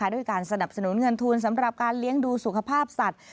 ด้วยการสนับสนุนเงินทุนสำหรับการเลี้ยงดูสุขภาพสัตว